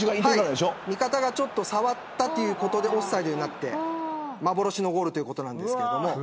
味方が、ちょっと触ったということでオフサイドになって、幻のゴールということなんですが。